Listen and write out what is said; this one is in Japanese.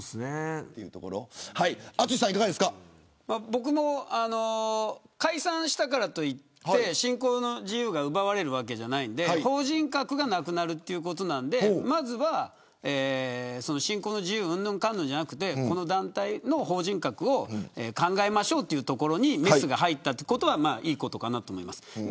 僕も解散したからといって信仰の自由が奪われるわけじゃないんで法人格がなくなるということなんでまずは信仰の自由うんぬんじゃなくこの団体の法人格を考えましょうというところにメスが入ったということはいいことだと思います。